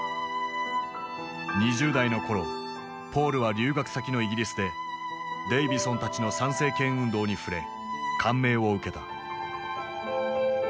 ２０代の頃ポールは留学先のイギリスでデイヴィソンたちの参政権運動に触れ感銘を受けた。